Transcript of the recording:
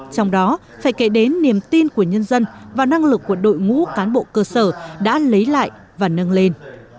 trong đó phải kể đến niềm tin của nhân dân và năng lực của đội ngũ cán bộ cơ sở đã lấy lại và nâng lên